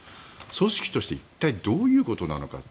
組織として一体どういうことなのか。